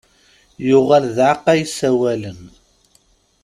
Yuɣal d aεeqqa yessawalen.